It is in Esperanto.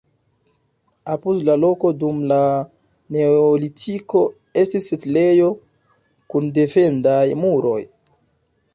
Apud la loko dum la neolitiko estis setlejo kun defendaj muroj.